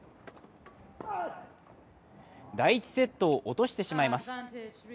第１セットを落としてしまいます。